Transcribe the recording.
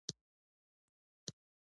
کوربه د کور لباس هم پاک ساتي.